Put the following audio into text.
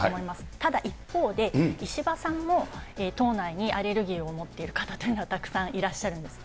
ただ、一方で石破さんも党内にアレルギーを持っている方というのはたくさんいらっしゃるんです。